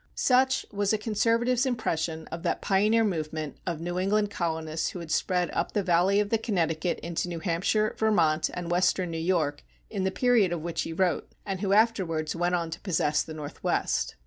Such was a conservative's impression of that pioneer movement of New England colonists who had spread up the valley of the Connecticut into New Hampshire, Vermont, and western New York in the period of which he wrote, and who afterwards went on to possess the Northwest.